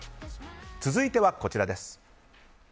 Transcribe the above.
続いてはこちらです。